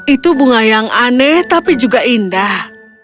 itu bunga yang aneh tapi juga indah